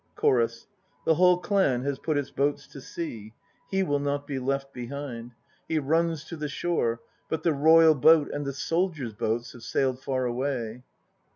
CHORUS. The whole clan has put its boats to sea. He 1 will not be left behind; He runs to the shore. But the Royal Boat and the soldiers' boats Have sailed far away.